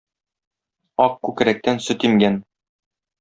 Ак күкрәктән сөт имгән